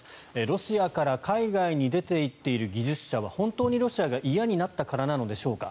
ロシアから海外に出ていっている技術者は本当にロシアが嫌になったからなのでしょうか。